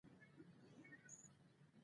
د روغ صحت په قدر به وپوهېږې !